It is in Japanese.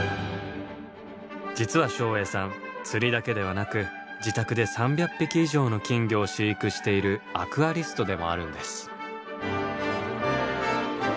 実は照英さん釣りだけではなく自宅で３００匹以上の金魚を飼育しているアクアリストでもあるんです。